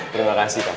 terima kasih pak